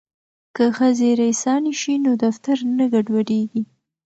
که ښځې ریسانې شي نو دفتر نه ګډوډیږي.